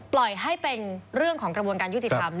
ปล่อยให้เป็นเรื่องของกระบวนการยุติธรรม